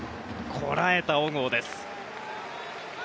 こらえた小郷です。